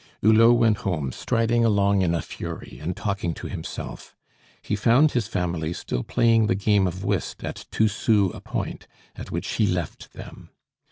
Hulot went home, striding along in a fury, and talking to himself; he found his family still playing the game of whist at two sous a point, at which he left them.